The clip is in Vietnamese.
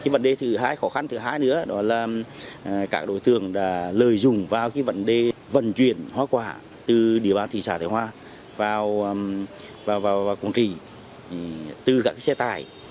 vấn đề khó khăn thứ hai nữa là các đối tượng lời dùng vào vận chuyển hóa quả từ địa bàn thị xã thái hoa vào quận trị từ các xe tải